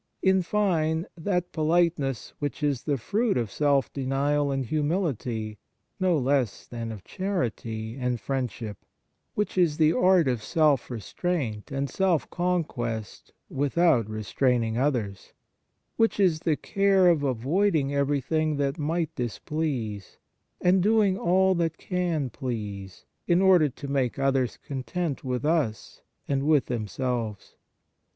In fine, that politeness which is the fruit of self denial and humility no less than of charity and friendship ; which is the art of self restraint and self conquest, without restraining others; which is the care of avoiding everything that might displease, and doing all that can please, in order to make others content with us and with themselves.